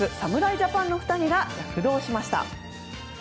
ジャパンの２人が躍動しました。